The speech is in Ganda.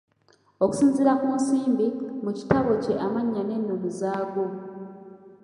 Okusinziira ku Nsimbi, mu kitabo kye amannya n'ennono zaago.